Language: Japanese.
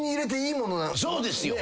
そうですよ。